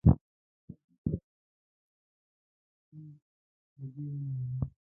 شېبه وروسته کوټه سپين لوګي ونيوله.